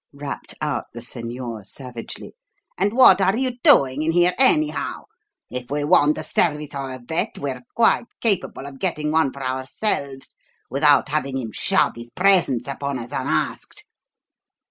rapped out the "señor" savagely. "And what are you doing in here, anyhow? If we want the service of a vet., we're quite capable of getting one for ourselves without having him shove his presence upon us unasked."